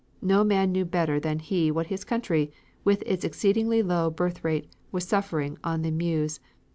No man knew better than he what his country, with its exceedingly low birthrate, was suffering on the Meuse.